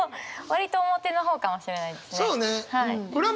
割と表の方かもしれないですね。